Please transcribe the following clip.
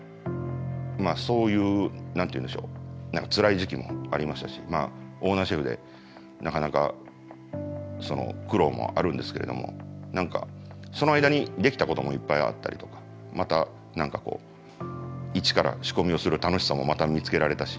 そういう何て言うんでしょうつらい時期もありましたしオーナーシェフでなかなか苦労もあるんですけれども何かその間にできたこともいっぱいあったりとかまた何か一から仕込みをする楽しさもまた見つけられたし。